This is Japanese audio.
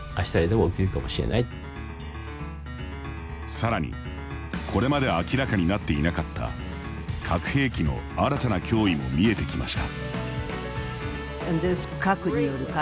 さらに、これまで明らかになっていなかった核兵器の新たな脅威も見えてきました。